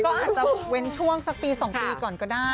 ก็อาจจะเว้นช่วงสักปี๒ปีก่อนก็ได้